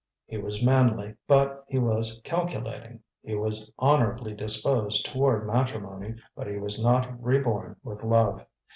He was manly, but he was calculating; he was honorably disposed toward matrimony, but he was not reborn with love.